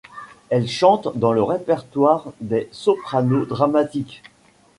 Elle chante dans le répertoire des sopranos dramatiques.